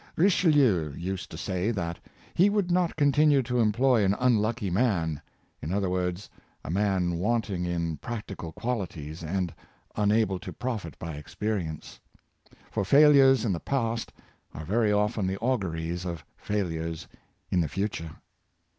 Richelieu used to say that he would not continue to employ an unlucky man — in other words, a man wanting in practical qualities, and unable to profit by experience; for failures in the past are very often the auguries of failures in the future.